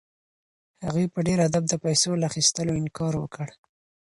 هغې په ډېر ادب د پیسو له اخیستلو انکار وکړ.